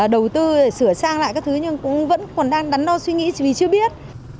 để sửa sang lại các thứ nhưng cũng vẫn còn đang đắn đo suy nghĩ vì chưa biết